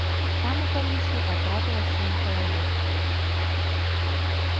Там у камісіі патрапіла сем чалавек.